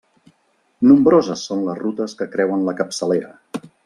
Nombroses són les rutes que creuen la Capçalera.